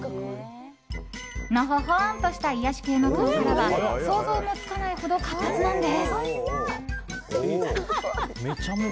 のほほんとした癒やし系の顔からは想像もつかないほど活発なんです。